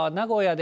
で、